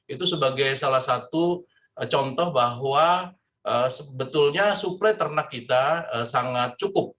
itu sebagai salah satu contoh bahwa sebetulnya suplai ternak kita sangat cukup